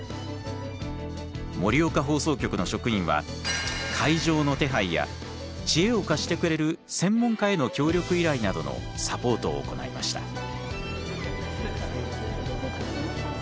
盛岡放送局の職員は会場の手配や知恵を貸してくれる専門家への協力依頼などのサポートを行いました。